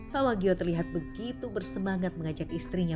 pak wagio terlihat begitu bersemangat mengajak istrinya